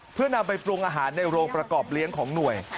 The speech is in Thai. เพื่อนำไปปรุงอาหารในโรงประกอบเลี้ยงของหน่วย